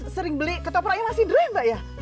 sering beli ketopraknya masih dering mbak ya